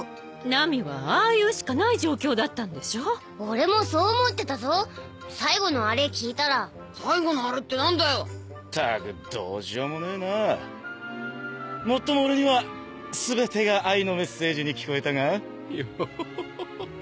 ナミはああ言うしかない状況だったんでしょ俺もそう思ってたぞ最後のアレ聞いたら最後のアレってなんだよったくどうしようもねえなァもっとも俺には全てが愛のメッセージに聞こえたがヨッホッホッホッホッ